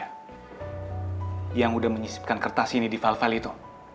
yang udah menyisipkan kertas ini di file file itu